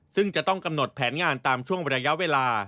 ซึ่งจะต้องกำหนดแผนงานตามช่วงระยะเวลา